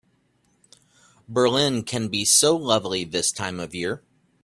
Berlin can be so lovely this time of year.